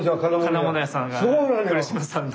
金物屋さんが来島さんの。